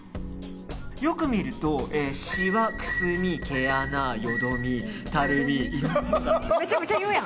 よく見るとしわ、くすみ、毛穴よどみ、たるみ。